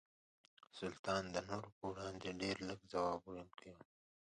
سلطان د نورو په وړاندې ډېر لږ ځواب ویونکي وو.